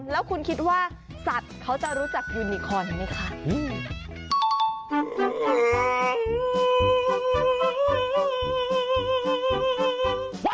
แล้วคุณคิดว่าสัตว์เขาจะรู้จักยูนิคอนไหมคะ